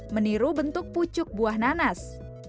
meniru bentuk pucuk buah nanas